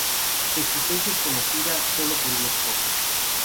Su existencia es conocida sólo por unos pocos.